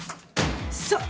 そう。